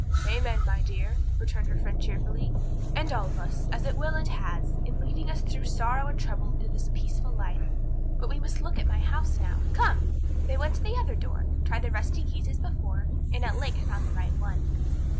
"Amen, my dear," returned her friend cheerfully; "and all of us, as it will, and has, in leading us through sorrow and trouble to this peaceful life. But we must look at my house now. Come!" They went to the other door, tried the rusty keys as before, and at length found the right one.